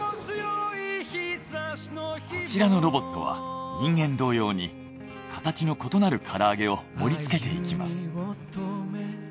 こちらのロボットは人間同様に形の異なるから揚げを盛りつけていきます。